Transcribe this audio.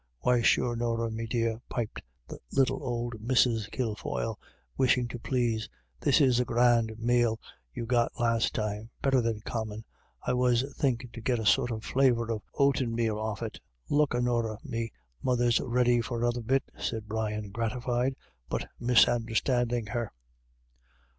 "Why sure, Norah me dear," piped little old Mrs. Kilfoyle, wishing to please, "this is grand male you got last time — better than common. I was thinkin' to git a sort of flaviour of oaten male off of it" " Look a Norah, me mother's ready for another bit," said Brian, gratified, but misunderstanding her.